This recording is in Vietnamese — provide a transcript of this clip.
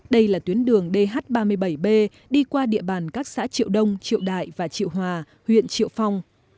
đây là tuyến đường dh ba mươi bảy b đi qua địa bàn các xã triệu đông triệu đại và triệu hòa huyện triệu phong